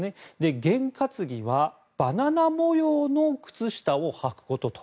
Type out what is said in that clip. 験担ぎはバナナ模様の靴下をはくことと。